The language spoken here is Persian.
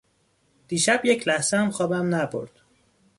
دیشب یک لحظه هم خوابم نبرد.